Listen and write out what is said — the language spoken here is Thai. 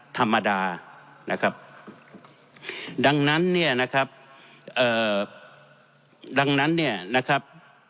ธรรมดานะครับดังนั้นเนี่ยนะครับเอ่อดังนั้นเนี่ยนะครับ